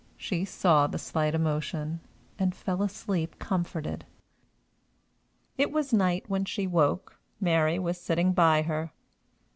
She saw the slight emotion, and fell asleep comforted. It was night when she woke. Mary was sitting by her.